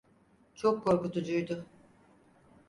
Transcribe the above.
Çok korkutucuydu.